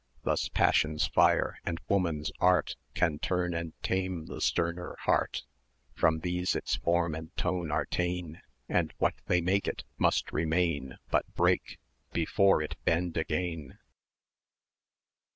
Thus Passion's fire, and Woman's art, Can turn and tame the sterner heart; From these its form and tone are ta'en, And what they make it, must remain, But break before it bend again.